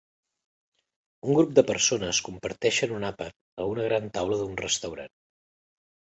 Un grup de persones comparteixen un àpat a una gran taula d'un restaurant.